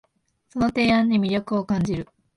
その提案に魅力を感じる